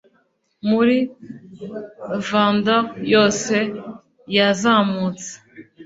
Muri vanguard yose yazamutse